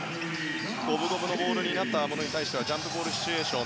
五分五分になったものに対してはジャンプボールシチュエーション。